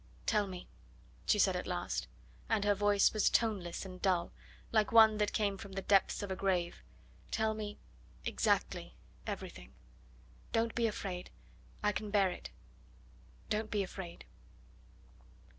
"Tell me!" she said at last, and her voice was toneless and dull, like one that came from the depths of a grave "tell me exactly everything. Don't be afraid. I can bear it. Don't be afraid."